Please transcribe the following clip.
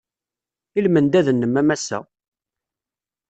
I lmendad-nnem a Massa!